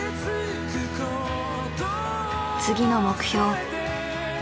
次の目標